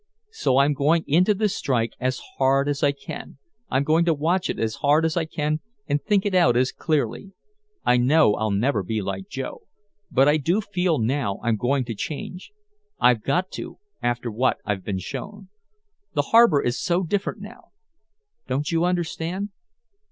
So I'm going into this strike as hard as I can I'm going to watch it as hard as I can and think it out as clearly. I know I'll never be like Joe but I do feel now I'm going to change. I've got to after what I've been shown. The harbor is so different now. Don't you understand?"